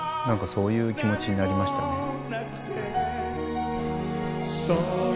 何かそういう気持ちになりましたね。